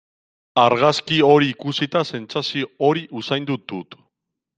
Argazki hori ikusita sentsazio hori usaindu dut.